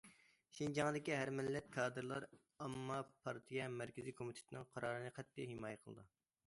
شىنجاڭدىكى ھەر مىللەت كادىرلار، ئامما پارتىيە مەركىزىي كومىتېتىنىڭ قارارىنى قەتئىي ھىمايە قىلىدۇ.